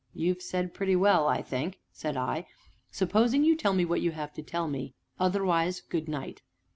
"You've said pretty well, I think," said I; "supposing you tell me what you have to tell me otherwise good night!"